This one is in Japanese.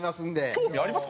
興味あります？